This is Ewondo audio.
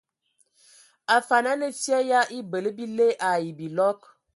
Afan a nə fyƐ ya ebələ bile ai bilɔg.